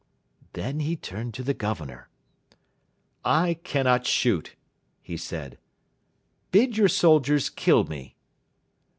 Then he turned to the Governor. "I cannot shoot," he said; "bid your soldiers kill me."